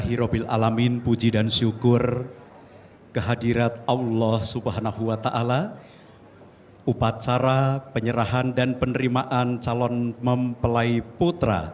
ibu sofiatun kudono